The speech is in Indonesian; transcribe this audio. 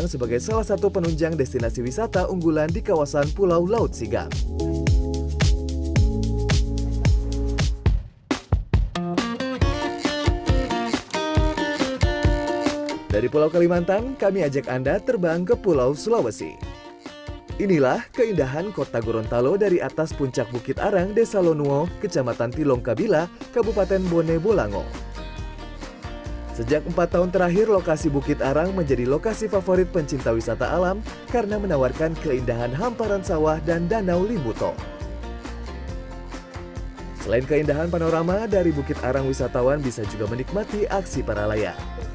selain keindahan panorama dari bukit arang wisatawan bisa juga menikmati aksi para layak